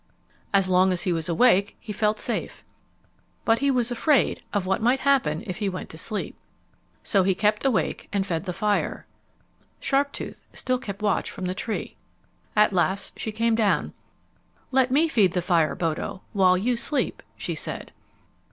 As long as he was awake he felt safe. But he was afraid of what might happen if he went to sleep. So he kept awake and fed the fire. Sharptooth still kept watch from the tree. At last she came down. "Let me feed the fire, Bodo, while you sleep," she said.